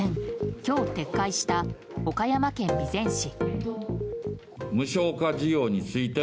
今日、撤回した岡山県備前市。